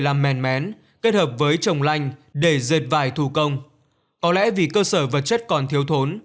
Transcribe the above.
làm mèn mén kết hợp với trồng lanh để dệt vải thủ công có lẽ vì cơ sở vật chất còn thiếu thốn